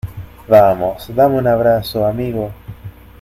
vamos, dame un abrazo , amigo.